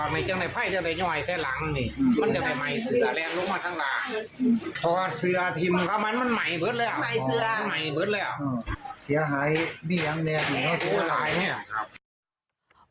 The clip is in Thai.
มันไหมบเลยหรอไหลเซียง